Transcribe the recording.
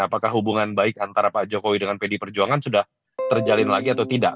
apakah hubungan baik antara pak jokowi dengan pdi perjuangan sudah terjalin lagi atau tidak